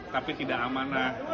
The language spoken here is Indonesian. tapi tidak amanah